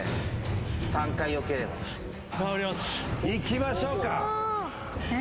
いきましょうか。